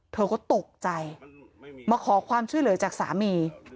เธอก็ตกใจมาขอความช่วยเหลือจากสามี